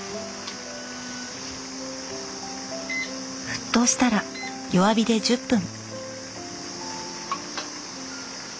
沸騰したら弱火で１０分。